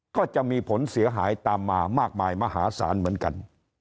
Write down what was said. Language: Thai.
ก็จะมีผลเสียหายตามมามากมายมหาศาลเหมือนกัน